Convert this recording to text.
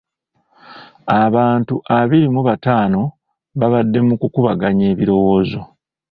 Abantu abiri mu bataano baabadde mu kukubaganya ebirowoozo.